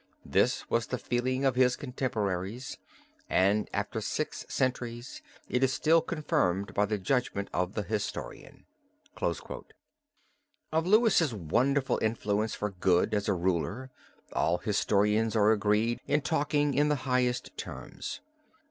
This was the feeling of his contemporaries, and after six centuries it is still confirmed by the judgment of the historian." Of Louis' wonderful influence for good as a ruler all historians are agreed in talking in the highest terms.